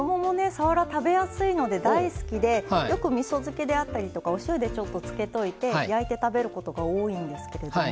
さわら食べやすいので大好きでよくみそ漬けであったりとかお塩でちょっと漬けといて焼いて食べることが多いんですけれども。